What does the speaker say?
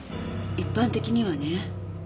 一般的にはね。